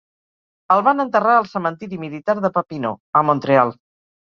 El van enterrar al cementiri militar de Papineau, a Montreal.